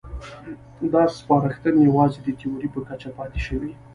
دا سپارښتنې یوازې د تیورۍ په کچه پاتې شوې.